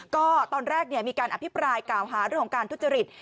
ก็ตอนแรกมีการอภิปรายกล่าวหาเรื่องของการทุจริต